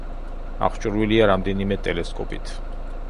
აღჭურვილია რამდენიმე ტელესკოპით.